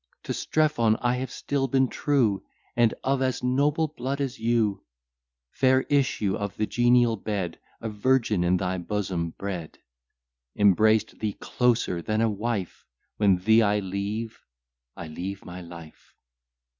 To Strephon I have still been true, And of as noble blood as you; Fair issue of the genial bed, A virgin in thy bosom bred: Embraced thee closer than a wife; When thee I leave, I leave my life.